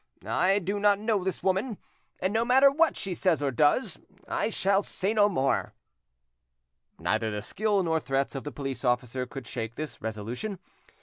I do not know this woman, and no matter what she says or does, I shall say no more." Neither the skill nor threats of the police officer could shake this resolution.